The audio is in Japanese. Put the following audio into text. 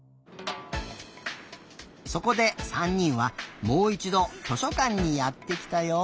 そこで３にんはもういちど図書かんにやってきたよ！